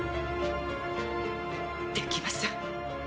できません。